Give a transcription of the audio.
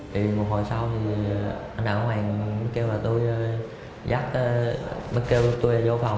thì một hồi sau thì anh đạo hoàng kêu là tôi dắt mới kêu tôi vô phòng